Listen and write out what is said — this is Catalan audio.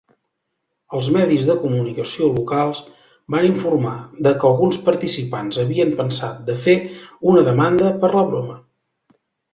Els medis de comunicació locals van informar de que alguns participants havien pensat de fer una demanda per la broma.